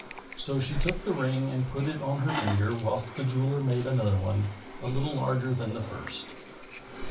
So she took the ring and put it on her finger, whilst the jeweller made another one, a little larger than the first.